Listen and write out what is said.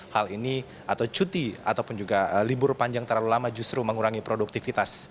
hal ini atau cuti ataupun juga libur panjang terlalu lama justru mengurangi produktivitas